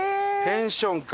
ペンションか。